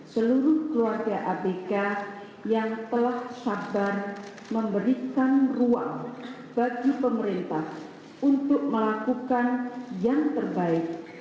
seluruh keluarga abk yang telah sabar memberikan ruang bagi pemerintah untuk melakukan yang terbaik